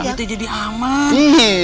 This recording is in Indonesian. kamu jadi aman